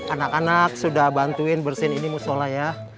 anak anak sudah bantuin bersihin ini musola ya